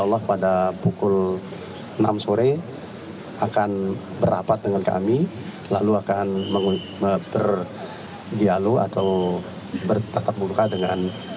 allah pada pukul enam sore akan berapat dengan kami lalu akan berdialog atau bertatap muka dengan